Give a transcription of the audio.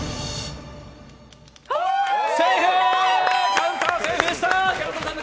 カウンター、セーフでした。